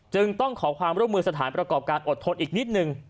จึงต้องขอความร่วมมือสถานประกอบการอดทนอีกนิดนึง